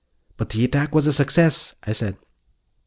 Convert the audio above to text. "But the attack was a success," I said.